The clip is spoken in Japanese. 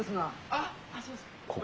あっそうですか。